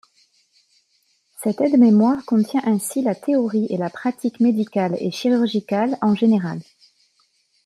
Cet aide-mémoire contient ainsi la théorie et la pratique médicale et chirurgicale en général.